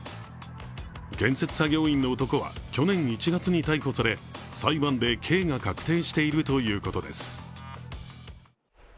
建設作業員の男は去年１月に逮捕され、裁判で刑が確定しているということです。